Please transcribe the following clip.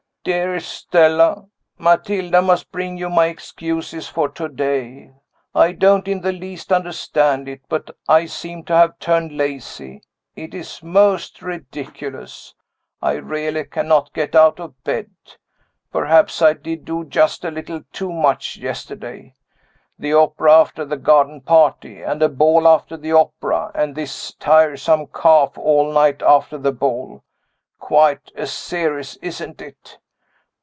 "Dearest Stella Matilda must bring you my excuses for to day. I don't in the least understand it, but I seem to have turned lazy. It is most ridiculous I really cannot get out of bed. Perhaps I did do just a little too much yesterday. The opera after the garden party, and a ball after the opera, and this tiresome cough all night after the ball. Quite a series, isn't it?